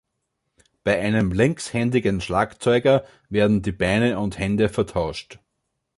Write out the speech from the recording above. Bei einem linkshändigen Schlagzeuger werden die Beine und Hände vertauscht.